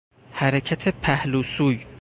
حرکت پهلو سوی